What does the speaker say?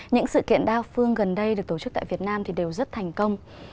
những sự kiện đa phương gần đây được tổ chức tại việt nam thì đều rất thành công